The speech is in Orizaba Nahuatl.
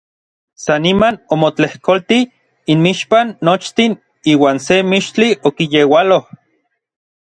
San niman omotlejkoltij inmixpan nochtin iuan se mixtli okiyeualoj.